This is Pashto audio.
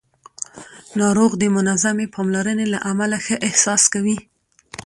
ناروغ د منظمې پاملرنې له امله ښه احساس کوي